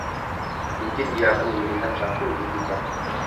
Mungkin dia akan memberikan satu untuk kita.